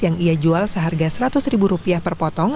yang ia jual seharga seratus ribu rupiah per potong